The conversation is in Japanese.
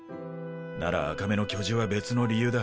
なら赤目の巨獣は別の理由だ。